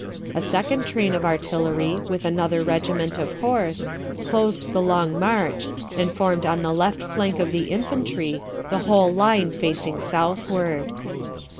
A second train of artillery, with another regiment of horse, closed the long march, and formed on the left flank of the infantry, the whole line facing southward.